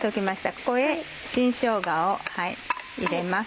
ここへ新しょうがを入れます。